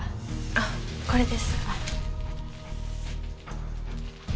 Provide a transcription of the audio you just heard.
あこれです。